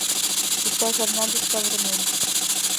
Иктаж арня гыч савырнем.